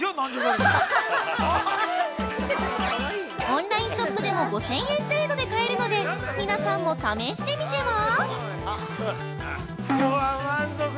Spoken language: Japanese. ◆オンラインショップでも５０００円程度で買えるので皆さんも試してみては？